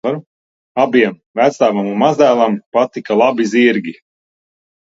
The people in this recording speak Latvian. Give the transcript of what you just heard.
Abiem, vectēvam un mazdēlam, patika labi zirgi.